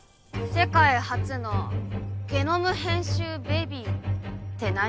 世界初のゲノム編集ベビーって何？